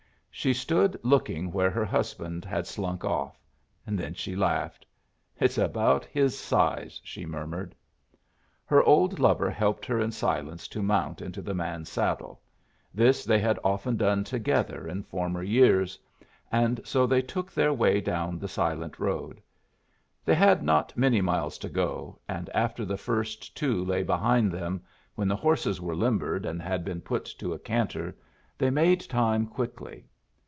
She stood looking where her husband had slunk off. Then she laughed. "It's about his size," she murmured. Her old lover helped her in silence to mount into the man's saddle this they had often done together in former years and so they took their way down the silent road. They had not many miles to go, and after the first two lay behind them, when the horses were limbered and had been put to a canter, they made time quickly.